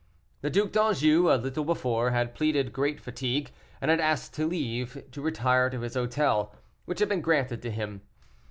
The Duc d'Anjou, a little before, had pleaded great fatigue, and had asked leave to retire to his hotel, which had been granted to him.